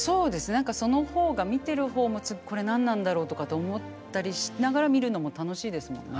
何かその方が見てる方も「次これ何なんだろう」とかって思ったりしながら見るのも楽しいですもんね。